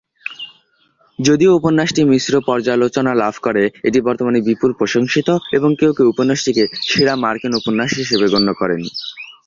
যদিও উপন্যাসটি মিশ্র পর্যালোচনা লাভ করে, এটি বর্তমানে বিপুল প্রশংসিত এবং কেউ কেউ উপন্যাসটিকে "সেরা মার্কিন উপন্যাস" হিসেবে গণ্য করেন।